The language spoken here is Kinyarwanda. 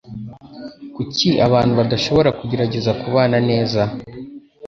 Kuki abantu badashobora kugerageza kubana neza?